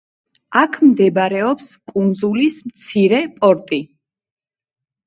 აქ მდებარეობს კუნძულის მცირე პორტი.